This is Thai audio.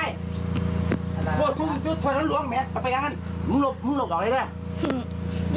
มึงหลบมึงหลบออกเลยแหละ